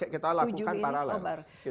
kita lakukan paralel